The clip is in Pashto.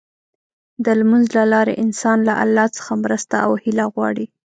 د لمونځ له لارې انسان له الله څخه مرسته او هيله غواړي.